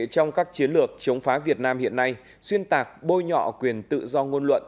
trong các chiến lược chống phá việt nam hiện nay xuyên tạc bôi nhọ quyền tự do ngôn luận